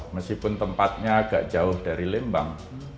meskipun tempatnya agak jauh dari lembang